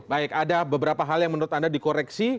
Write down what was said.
baik ada beberapa hal yang menurut anda dikoreksi